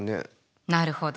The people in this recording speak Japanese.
なるほど。